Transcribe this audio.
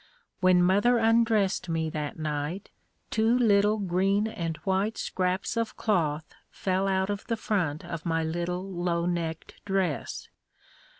When mother undressed me that night, two little green and white scraps of cloth fell out of the front of my little low necked dress.